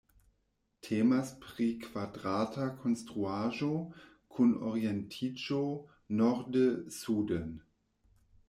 Temas pri kvadrata konstruaĵo kun orientiĝo norde-suden.